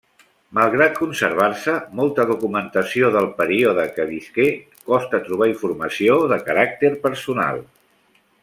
Malgrat conservar-se molta documentació del període que visqué costa trobar informació de caràcter personal.